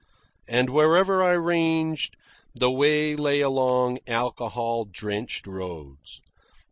And wherever I ranged, the way lay along alcohol drenched roads.